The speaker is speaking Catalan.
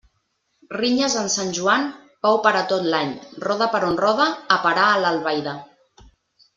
Rinyes en Sant Joan, pau per a tot l'any Rode per on rode, a parar a Albaida.